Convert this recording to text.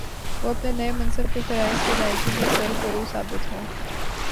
وہ اپنے نئے منصب کے فرائض کی ادائیگی میں سرخرو ثابت ہوں